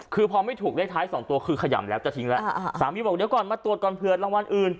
คือพอไม่ถูกเลขท้ายสองตัวคือขยำแล้วจะทิ้งแล้วสามีบอกเดี๋ยวก่อนมาตรวจก่อนเผื่อรางวัลอื่น